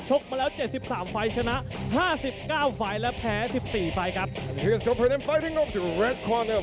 มาแล้ว๗๓ไฟล์ชนะ๕๙ไฟล์และแพ้๑๔ไฟล์ครับ